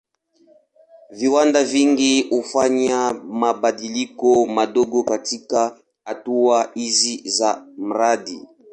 Viwanda vingi hufanya mabadiliko madogo katika hatua hizi za mradi.